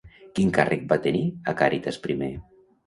Quin càrrec va tenir a Càritas primer?